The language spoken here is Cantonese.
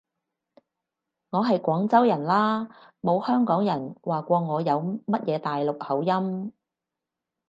我係廣州人啦，冇香港人話過我有乜嘢大陸口音